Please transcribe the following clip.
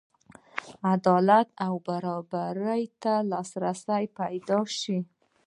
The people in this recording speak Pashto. عدالت او برابرۍ ته لاسرسی پیدا شي.